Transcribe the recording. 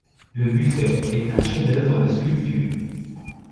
Le buffet est un chef-d’œuvre de sculpture.